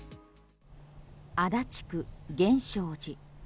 足立区・源証寺。